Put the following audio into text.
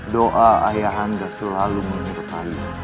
doa ayah anda selalu menyertai